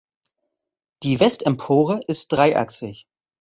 Die Westempore ist dreiachsig.